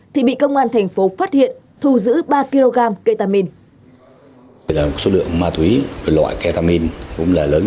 thì bị công an thành phố phát hiện thu giữ ba kg ketamin